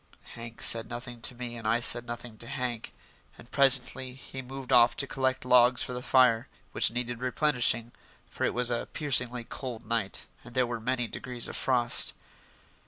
Hank said nothing to me and I said nothing to Hank, and presently he moved off to collect logs for the fire, which needed replenishing, for it was a piercingly cold night and there were many degrees of frost.